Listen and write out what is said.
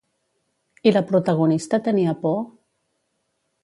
I la protagonista tenia por?